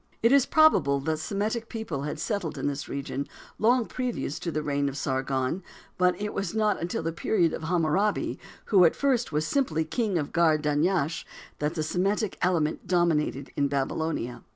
It is probable that Semitic people had settled in this region long previous to the reign of Sargon, but it was not until the period of Hammurabi, who at first was simply king of Gar Dunyash that the Semitic element dominated in Babylonia.